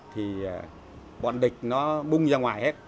thì bọn địch nó bung ra ngoài hết